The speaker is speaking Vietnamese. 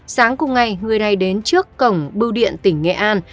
sáng cùng ngày người này đến trước cổng bưu điện tỉnh nghệ an